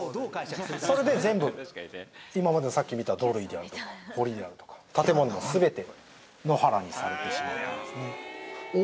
それで全部さっき見た土塁であるとか堀であるとか建物の全てを野原にされてしまったんですね。